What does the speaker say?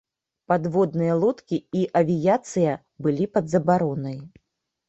Падводныя лодкі і авіяцыя былі пад забаронай.